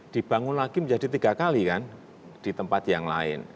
dibangun lagi menjadi tiga kali kan di tempat yang lain